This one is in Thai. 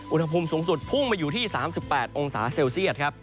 อุณหภูมิสูงสุดพุ่งมาอยู่ที่๓๘องศาเซลเซียตครับ